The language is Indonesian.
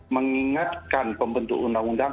mengingatkan pembentuk undang undang